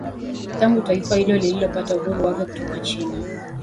tangu taifa hilo lilipopata uhuru wake kutoka china